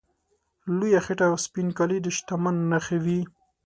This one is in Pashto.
لویه خېټه او سپین کالي د شتمنۍ نښې وې.